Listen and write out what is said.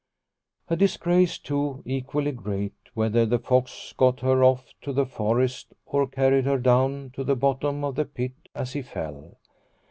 A disgrace too, equally great, whether the fox got her off to the forest or carried her down to the bottom of the pit as he fell.